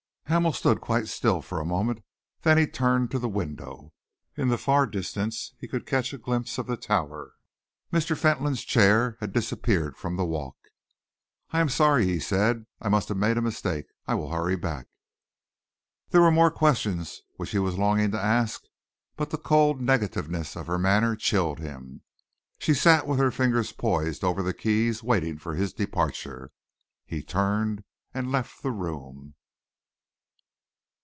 Hamel stood quite still for a moment. Then he turned to the window. In the far distance he could catch a glimpse of the Tower. Mr. Fentolin's chair had disappeared from the walk. "I am sorry," he said. "I must have made a mistake. I will hurry back." There were more questions which he was longing to ask, but the cold negativeness of her manner chilled him. She sat with her fingers poised over the keys, waiting for his departure. He turned and left the room.